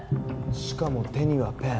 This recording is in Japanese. しかも手にはペン。